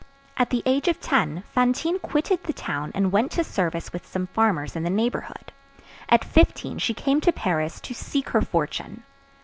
At the age of ten, Fantine quitted the town and went to service with some farmers in the neighborhood. At fifteen she came to Paris "to seek her fortune."